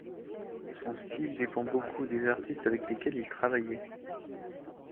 Son style dépend beaucoup des artistes avec lesquels il travaillait.